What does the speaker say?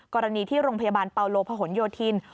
กรณีที่โรงพยาบาลเปาโลพหนโยธิน